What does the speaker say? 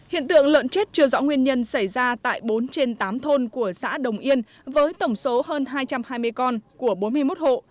hiện tượng lợn chết chưa rõ nguyên nhân xảy ra tại bốn trên tám thôn của xã đồng yên với tổng số hơn hai trăm hai mươi con của bốn mươi một hộ